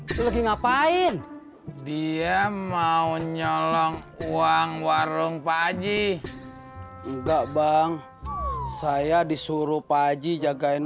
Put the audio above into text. itu lagi ngapain dia mau nyolong uang warung pak aji enggak bang saya disuruh pak aji jagain